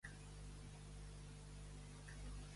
Quins són els seguidors de Cthulhu?